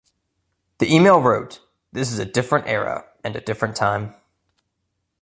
The email wrote, This is a different era and a different time.